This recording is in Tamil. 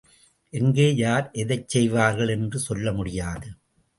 எங்கே யார் எதைச் செய்வார்கள் என்று சொல்ல முடியாது.